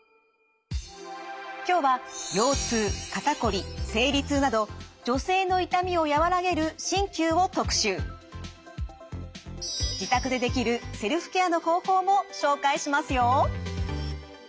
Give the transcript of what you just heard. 今日は腰痛肩こり生理痛など自宅でできるセルフケアの方法も紹介しますよ。